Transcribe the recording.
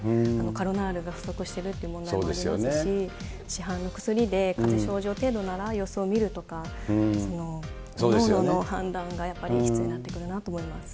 カロナールが不足してるっていう問題もありますし、市販の薬でかぜ症状程度なら様子を見るとか、各々の判断が必要になってくるなと思います。